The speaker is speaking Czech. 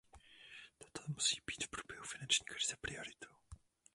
Toto musí být v průběhu finanční krize prioritou.